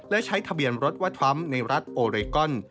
และใช้ทะเบียนรถว่าทรัมป์ในรัฐโอเรกอน